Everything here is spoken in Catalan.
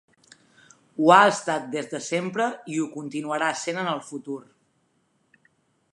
Ho ha estat des de sempre i ho continuarà sent en el futur.